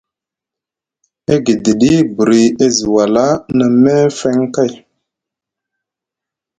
E gidiɗi buri e zi wala na meefeŋ kay,